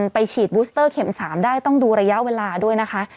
ไปฉีดบูสเตอร์เข็ม๓ได้ต้องดูระยะเวลาด้วยนะคะ